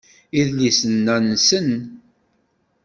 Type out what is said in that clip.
Idlisen-inna nsen.